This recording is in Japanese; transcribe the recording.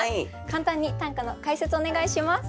簡単に短歌の解説をお願いします。